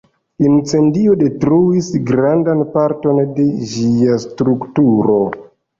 Incendio detruis grandan parton de ĝia strukturo.